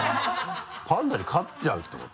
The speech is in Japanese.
パンダに勝っちゃうってこと？